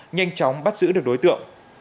nhanh chóng bắt giữ được đối tượng